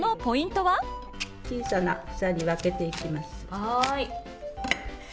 小さな房に分けていきます。